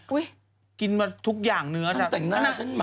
อุ้ยกินทุกอย่างเนื้อฉันแตกหน้าฉันหมา